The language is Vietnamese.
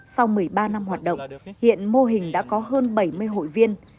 sau một mươi ba năm hoạt động hiện mô hình đã có hơn bảy mươi hội viên